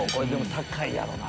高いやろうな。